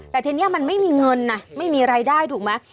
แต่ทีนี้มันไม่มีเงินนะไม่มีรายได้ถูกไหม